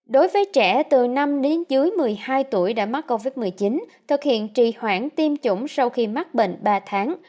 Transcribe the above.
đối với trẻ từ năm đến dưới một mươi hai tuổi đã mắc covid một mươi chín thực hiện trì hoãn tiêm chủng sau khi mắc bệnh ba tháng